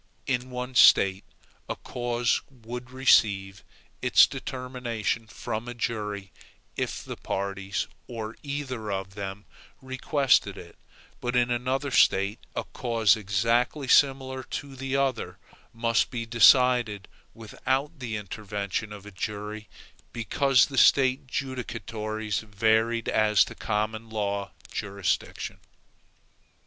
In one State a cause would receive its determination from a jury, if the parties, or either of them, requested it; but in another State, a cause exactly similar to the other, must be decided without the intervention of a jury, because the State judicatories varied as to common law jurisdiction.